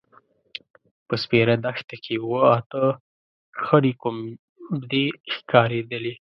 په سپېره دښته کې اوه – اته خړې کومبدې ښکارېدلې.